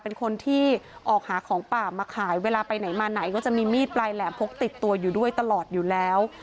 เป็นคนที่ออกหาของป่ามาขายเวลาไปไหนมาไหนก็จะมีมีดปลายแหลมพกติดตัวอยู่ด้วยตลอดอยู่แล้ว